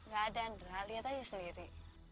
gak ada andra lihat aja sendiri